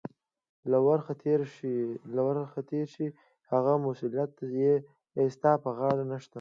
له ورخه تېرې دي، هېڅ مسؤلیت یې ستا پر غاړه نشته.